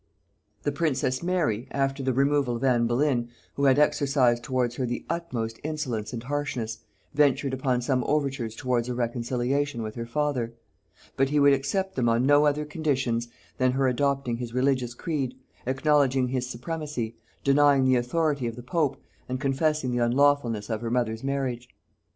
The princess Mary, after the removal of Anne Boleyn, who had exercised towards her the utmost insolence and harshness, ventured upon some overtures towards a reconciliation with her father; but he would accept them on no other conditions than her adopting his religious creed, acknowledging his supremacy, denying the authority of the pope, and confessing the unlawfulness of her mother's marriage.